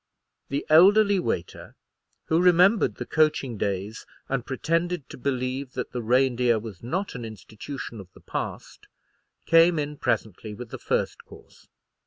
The elderly waiter, who remembered the coaching days, and pretended to believe that the Reindeer was not an institution of the past, came in presently with the first course.